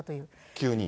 急に？